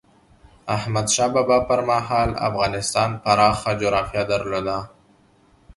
احمد شاه بابا پر مهال افغانستان پراخه جغرافیه درلوده.